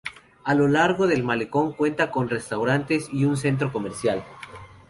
A lo largo del malecón cuenta con restaurantes y un centro comercial.